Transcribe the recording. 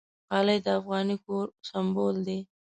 غالۍ د افغاني کور سِمبول ده.